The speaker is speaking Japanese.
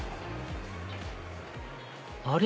あれ？